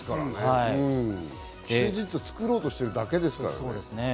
既成事実を作ろうとしているだけですからね。